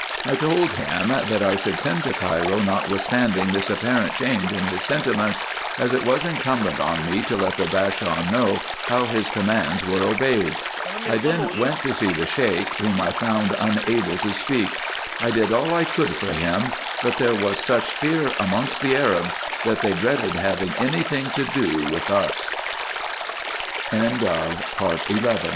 I told him, that I should send to Cairo notwithstanding this apparent change in his sentiments ; as it was incumbent on me to let the Bashaw know how his commands were obeyed. I then went to see the Sheik, whom I found unable to speak ; I did all I could for him ; but there was such fear amongst the Arabs, that